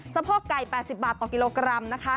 สะโพกไก่๘๐บาทต่อกิโลกรัมนะคะ